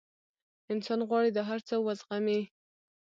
انسان غواړي دا هر څه وزغمي.